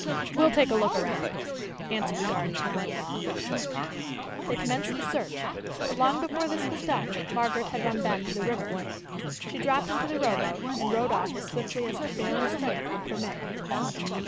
"We'll take a look around," answered the guardian of the law. They commenced the search, but long before this was done Margaret had run back to the river. She dropped into the rowboat, and rowed off as swiftly as her failing strength would permit.